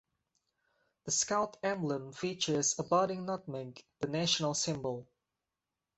The Scout emblem features a budding nutmeg, the national symbol.